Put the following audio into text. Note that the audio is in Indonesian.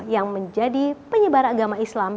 yang menjadi penyebar agama islam